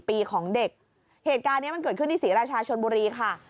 ปีของเด็กเหตุการณ์นี้มันเกิดขึ้นที่ศรีราชาชนบุรีค่ะ